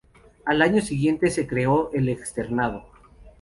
Al año siguiente se creó el externado.